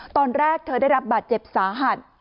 ตอนแรกเธอได้รับบาดเจ็บสาหัส